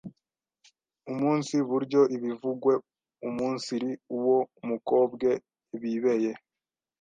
umunsi buryo ibivugwe umunsiri uwo mukobwe bibeye